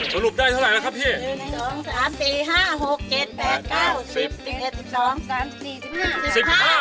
สรุปได้เท่าไหร่ล่ะครับ